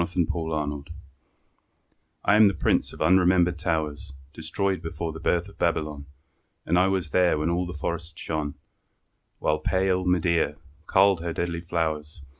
LE PRINCE ERRANT I am the Prince of unremembered towers Destroyed before the birth of Babylon; And I was there when all the forest shone While pale Medea culled her deadly flowers.